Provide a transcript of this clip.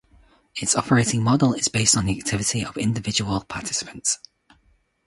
Its operating model is based on the activity of individual participants.